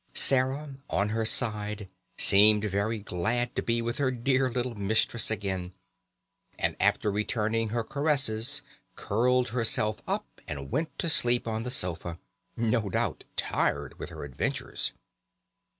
Sarah, on her side, seemed very glad to be with her dear little mistress again, and after returning her caresses curled herself up and went to sleep on the sofa, no doubt tired with her adventures.